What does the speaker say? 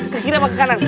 kekiri apa ke kanan